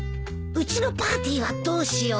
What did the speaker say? うちのパーティーはどうしよう。